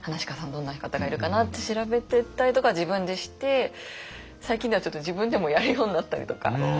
どんな方がいるかなって調べてったりとかは自分でして最近ではちょっと自分でもやるようになったりとか。